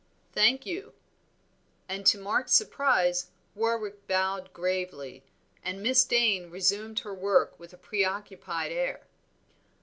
"Thank you." And to Mark's surprise Warwick bowed gravely, and Miss Dane resumed her work with a preoccupied air.